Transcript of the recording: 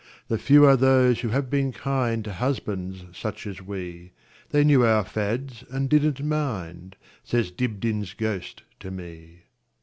The few are those who have been kindTo husbands such as we; They knew our fads, and did n't mind,"Says Dibdin's ghost to me.